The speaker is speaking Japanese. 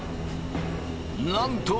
なんと！